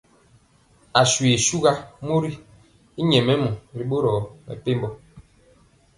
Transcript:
Asió shuégu mori y nyɛmemɔ nɛ boro mepempɔ.